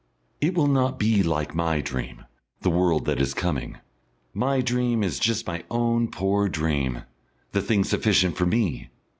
It will not be like my dream, the world that is coming. My dream is just my own poor dream, the thing sufficient for me.